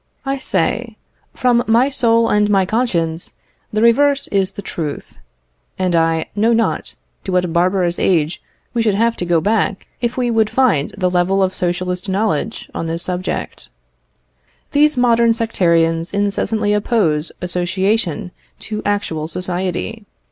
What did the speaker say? I say, from my soul and my conscience, the reverse is the truth; and I know not to what barbarous age we should have to go back, if we would find the level of Socialist knowledge on this subject. These modern sectarians incessantly oppose association to actual society.